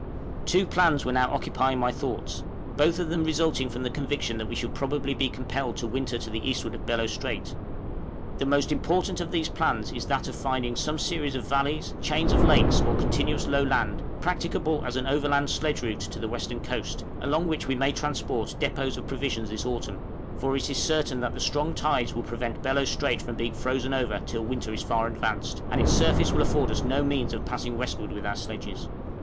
{PRECAUTIONARY MEASURES.} Two plans were now occupying my thoughts, both of them resulting from the conviction that we should probably be compelled to winter to the eastward of Bellot Strait: the most important of these plans is that of finding some series of valleys, chain of lakes, or continuous low land, practicable as an overland sledge route to the western coast, along which we may transport depôts of provisions this autumn; for it is certain that the strong tides will prevent Bellot Strait being frozen over till winter is far advanced, and its surface will afford us no means of passing westward with our sledges.